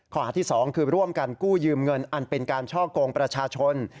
ข้อหาที่๒คือร่วมกันกู้ยืมเงินอันเป็นการช่อกงประชาชน